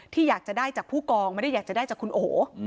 ที่อยากจะได้จากผู้กองไม่ได้อยากจะได้จากคุณโอ